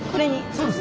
そうです